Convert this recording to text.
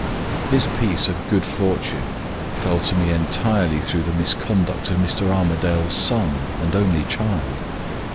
"This piece of good fortune fell to me entirely through the misconduct of Mr. Armadale's son, an only child.